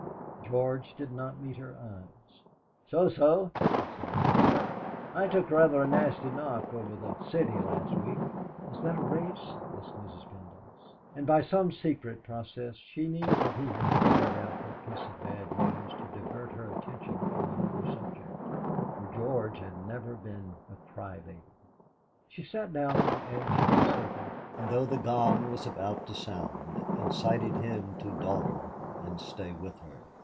George did not meet her eyes. "So so," he said. "I took rather a nasty knock over the 'City' last week." "Is that a race?" asked Mrs. Pendyce. And by some secret process she knew that he had hurried out that piece of bad news to divert her attention from another subject, for George had never been a "crybaby." She sat down on the edge of the sofa, and though the gong was about to sound, incited him to dawdle and stay with her.